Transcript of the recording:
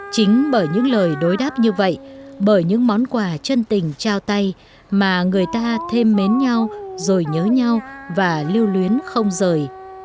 chính bởi những lời đối đáp như vậy bởi những món quà chân tình trao tay mà người ta thêm mến nhau rồi nhớ nhau và lưu luyến không rời